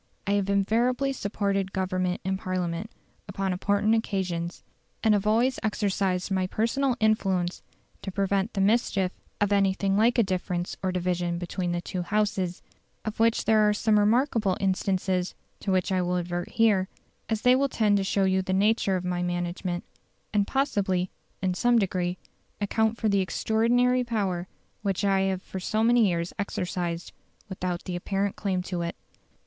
I have invariably supported Government in Parliament upon important occasions, and have always exercised my personal influence to prevent the mischief of anything like a difference or division between the two Houses, of which there are some remarkable instances, to which I will advert here, as they will tend to show you the nature of my management, and possibly, in some degree, account for the extraordinary power which I have for so many years exercised, without any apparent claim to it."